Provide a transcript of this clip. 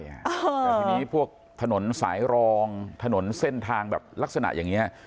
แต่ทีนี้พวกถนนสายรองถนนเส้นทางแบบลักษณะอย่างนี้